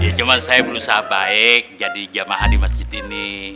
ya cuma saya berusaha baik jadi jamaah di masjid ini